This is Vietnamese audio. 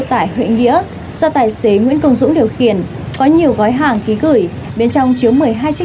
tải huệ nghĩa do tài xế nguyễn công dũng điều khiển có nhiều gói hàng ký gửi bên trong chứa một mươi hai chiếc